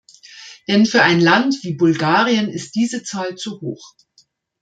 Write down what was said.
Denn für ein Land wie Bulgarien ist diese Zahl zu hoch.